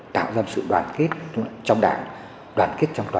tạo ra sự đoàn kết trong đảng